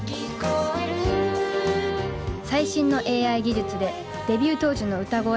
最新のＡＩ技術でデビュー当時の歌声を再現。